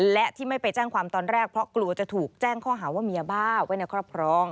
และที่ไม่ไปแจ้งความตอนแรกเพราะกลัวจะถูกแจ้งข้อหาว่ามียาบ้าไว้ในครอบครอง